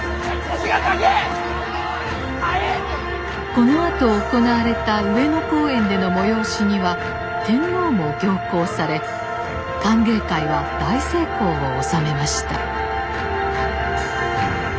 このあと行われた上野公園での催しには天皇も行幸され歓迎会は大成功を収めました。